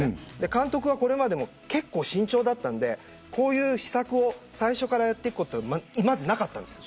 監督はこれまでも慎重だったのでこういう秘策を最初からやっていくことはまず、なかったんです。